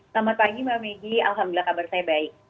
selamat pagi mbak megi alhamdulillah kabar saya baik